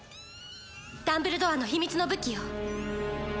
ダンブルドアの秘密の武器よ